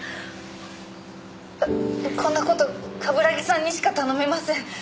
こんな事冠城さんにしか頼めません。